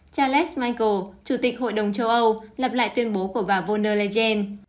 charles michael chủ tịch hội đồng châu âu lặp lại tuyên bố của bà von der leyen